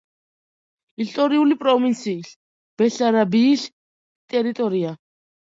ისტორიული პროვინციის ბესარაბიის ტერიტორია.